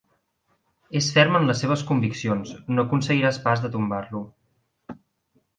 És ferm en les seves conviccions, no aconseguiràs pas de tombar-lo.